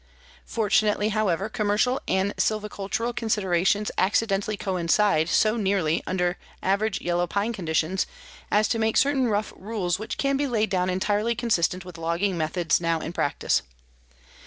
Fortunately, however, commercial and silvicultural considerations accidentally coincide so nearly under average yellow pine conditions as to make certain rough rules which can be laid down entirely consistent with logging methods now in practice.